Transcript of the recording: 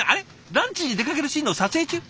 ランチに出かけるシーンの撮影中？